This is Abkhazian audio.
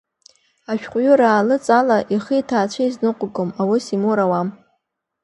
Ашәҟәыҩҩра аалыҵ ала ихи иҭаацәеи изныҟәгом, аус имур ауам.